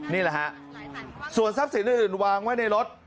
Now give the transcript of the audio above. นี่แหละฮะส่วนทรัพย์สินอื่นวางไว้ในรถ